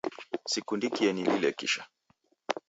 Sikundikie nilile kisha.